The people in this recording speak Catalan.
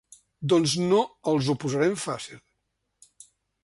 Doncs no els ho posarem fàcil.